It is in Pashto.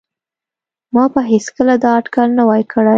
ما به هیڅکله دا اټکل نه وای کړی